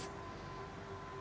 ya bisa berjalan bisa itu dulu ya